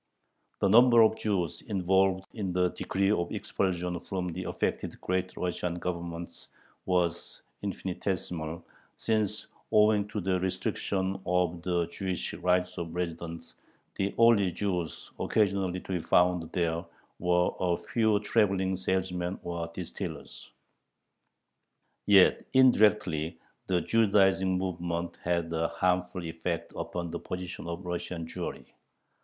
The number of Jews involved in the decree of expulsion from the affected Great Russian Governments was infinitesimal, since, owing to the restriction of the Jewish right of residence, the only Jews occasionally to be found there were a few traveling salesmen or distillers. Yet, indirectly, the Judaizing movement had a harmful effect upon the position of Russian Jewry.